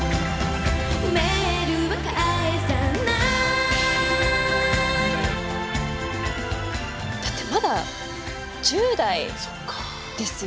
メールは返さないだってまだ１０代ですよ。